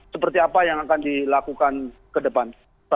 seperti apa yang akan dilakukan ke depan